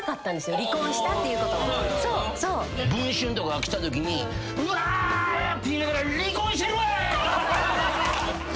『文春』とかが来たときにうわ！って言いながら。